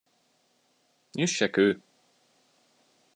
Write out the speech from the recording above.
Üsse kő!